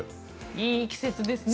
いい季節ですね